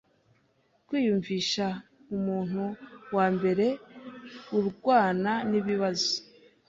kwiyumvisha umuntu wa mbere urwana nibibazo